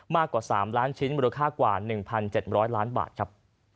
มากกว่า๓ล้านชิ้นมูลค่ากว่า๑๗๐๐ล้านบาทครับ